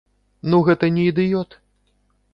Ну гэта не ідыёт?